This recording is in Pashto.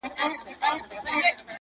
• د غریب پر مرګ څوک نه ژاړي -